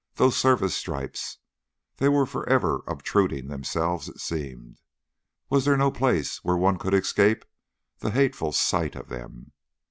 Those service stripes! They were forever obtruding themselves, it seemed. Was there no place where one could escape the hateful sight of them?